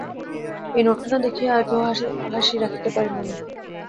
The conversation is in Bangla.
এই নোটখানা দেখিয়া আর কেহ হাসি রাখিতে পারিল না।